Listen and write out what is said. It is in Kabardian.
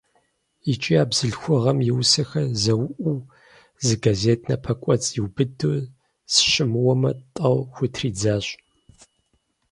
ИкӀи а бзылъхугъэм и усэхэр зэуӀуу, зы газет напэкӀуэцӀ иубыду, сыщымыуэмэ, тӀэу хутридзащ.